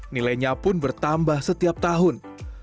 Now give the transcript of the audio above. nilainya pun bertambah setiap tahun